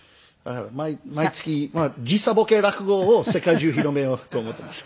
毎月時差ボケ落語を世界中広めようと思っています。